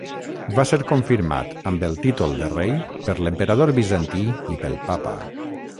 Va ser confirmat amb el títol de rei per l'emperador bizantí i pel papa.